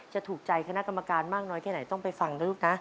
จะถูกใจคณะกรรมการมากน้อยแค่ไหนต้องไปฟังนะลูกนะ